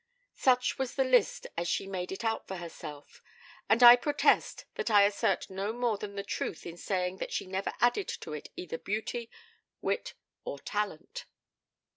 Such was the list as she made it out for herself, and I protest that I assert no more than the truth in saying that she never added to it either beauty, wit, or talent.